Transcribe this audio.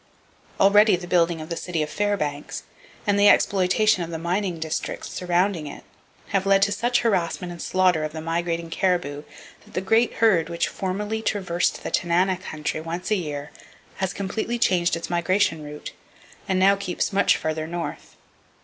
Already the building of the city of Fairbanks, and the exploitation of the mining districts surrounding it, have led to such harassment and slaughter of the migrating caribou that the great herd which formerly traversed the Tanana country once a year has completely changed its migration route, and now keeps much farther north.